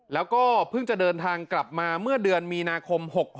แล้วก็เพิ่งจะเดินทางกลับมาเมื่อเดือนมีนาคม๖๖